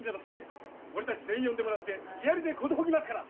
俺たち全員呼んでもらって木遣りで寿ぎますから。